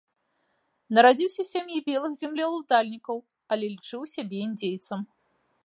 Нарадзіўся ў сям'і белых землеўладальнікаў, але лічыў сябе індзейцам.